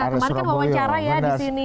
kemarin kan wawancara ya di sini